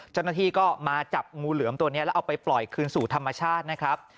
เจ้าหน้าที่ก็มาจับงูเหลือมตัวนี้แล้วเอาไปปล่อยคืนสู่ธรรมชาตินะครับ